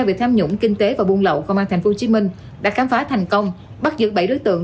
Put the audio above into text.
về tham nhũng kinh tế và buôn lậu công an tp hcm đã khám phá thành công bắt giữ bảy đối tượng